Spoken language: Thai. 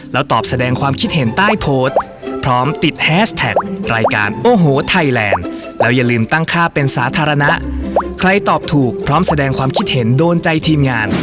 แล้วอย่าลืมตั้งค่าเป็นสาธารณะใครตอบถูกพร้อมแสดงความคิดเห็นโดนใจทีมงาน